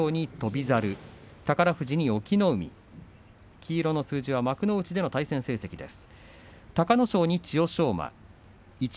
黄色の数字は幕内での対戦成績です。